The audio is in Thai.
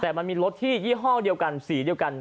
แต่มันมีรถที่ยี่ห้อเดียวกันสีเดียวกัน